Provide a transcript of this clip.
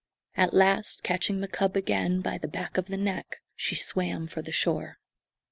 At last, catching the cub again by the back of the neck, she swam for the shore.